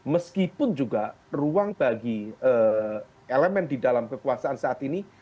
meskipun juga ruang bagi elemen di dalam kekuasaan saat ini